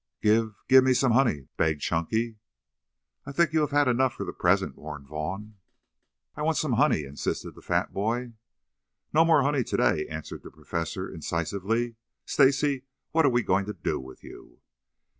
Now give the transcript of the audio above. "Give give me some honey," begged Chunky. "I think you have had enough for the present," warned Vaughn. "I want some honey," insisted the fat boy. "No more honey today," answered the Professor incisively. "Stacy, what are we going to do with you?"